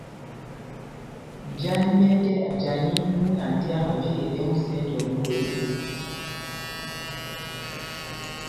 Njani mɛtɛ ajani múna tɛ́h amaviyedɛ ó nʼsɛnjɛ onu eeeh ?